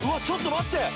ちょっと待って。